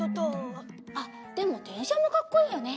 あっでもでんしゃもかっこいいよね。